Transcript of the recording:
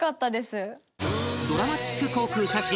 ドラマチック航空写真